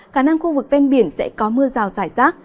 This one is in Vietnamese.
khả năng khu vực ven biển sẽ có mưa rào rải rác